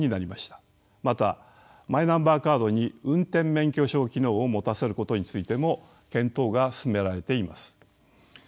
またマイナンバーカードに運転免許証機能をもたせることについても検討が進められています。